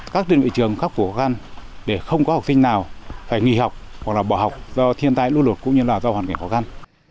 các đơn vị trường khắc phục khó khăn để không có học sinh nào phải nghỉ học hoặc là bỏ học do thiên tai lưu lột cũng như là do hoàn cảnh khó khăn